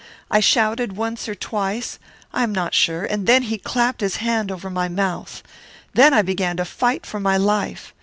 I shouted once or twice, I am not sure, and then he clapped his hand over my mouth. Then I began to fight for my life.